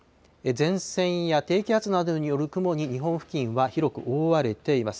前線や低気圧などによる雲に、日本付近は広く覆われています。